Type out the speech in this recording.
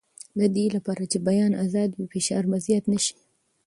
د دې لپاره چې بیان ازاد وي، فشار به زیات نه شي.